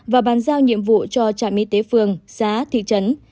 và bàn giao nhiệm vụ cho trạm y tế phương xá thị trấn